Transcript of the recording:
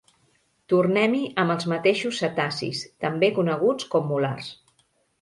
Tornem-hi amb els mateixos cetacis, també coneguts com mulars.